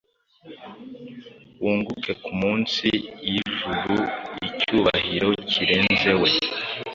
Wunguke munsi yijuruicyubahiro kirenze we